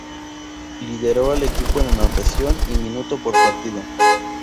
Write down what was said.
Lideró al equipo en anotación y min por partido.